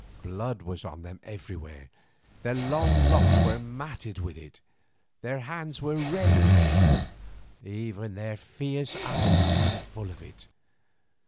Blood was on them everywhere, their long locks were matted with it, their hands were red with it, even their fierce eyes seemed full of it.